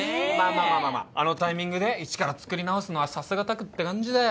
まあまあまああのタイミングでイチから作り直すのはさすが拓って感じだよ